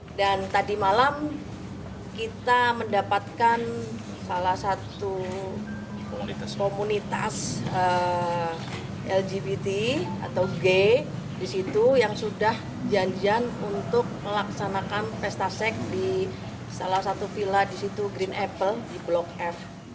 lgbt atau gay disitu yang sudah janjan untuk melaksanakan pesta seks di salah satu villa disitu green apple di blok f